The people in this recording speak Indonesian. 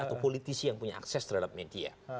atau politisi yang punya akses terhadap media